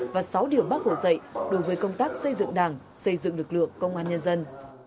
và sáu điều bác hồ dạy đối với công tác xây dựng đảng xây dựng lực lượng công an nhân dân